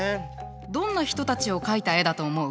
どんな人たちを描いた絵だと思う？